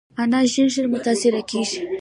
انا له ژړا ژر متاثره کېږي